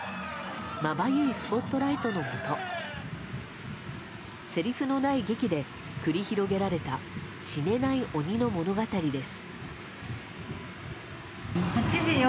まばゆいスポットライトのもとせりふのない劇で繰り広げられた死ねない鬼の物語です。